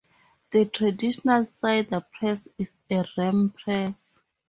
The traditional cider press is a ram press.